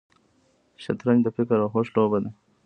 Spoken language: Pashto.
شطرنج د فکر او هوش لوبه ده.